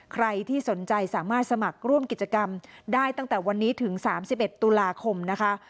ใครที่สนใจสามารถสมัครร่วมกิจกรรมได้ตั้งแต่วันนี้ถึง๓๑ตุลาคมนะคะ